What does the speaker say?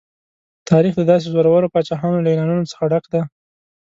تاریخ د داسې زورورو پاچاهانو له اعلانونو څخه ډک دی.